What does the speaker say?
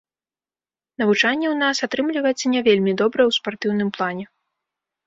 Навучанне ў нас атрымліваецца не вельмі добрае ў спартыўным плане.